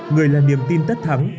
người là niềm tin tất thắng